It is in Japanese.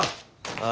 ああ。